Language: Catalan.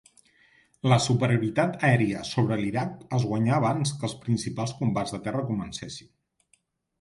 La superioritat aèria sobre l'Iraq es guanyà abans que els principals combats de terra comencessin.